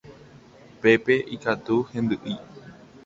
Pépe ikatu hendy'i.